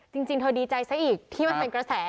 จริงเธอดีใจซะอีกที่มันเป็นกระแส